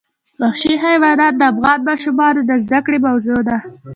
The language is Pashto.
وحشي حیوانات د افغان ماشومانو د زده کړې موضوع ده.